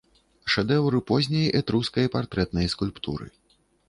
Шэдэўр позняй этрускай партрэтнай скульптуры.